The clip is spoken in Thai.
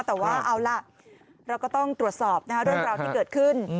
แต่ว่าเอาล่ะเราก็ต้องตรวจสอบเรื่องราวที่เกิดขึ้น